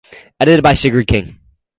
Edited by Sigrid King.